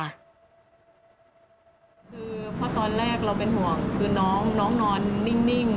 คือเพราะตอนแรกเราเป็นห่วงคือน้องนอนนิ่ง